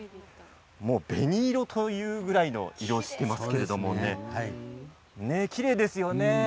もう紅色というぐらいの色をしていますけれどもきれいですよね。